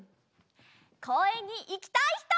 こうえんにいきたいひと！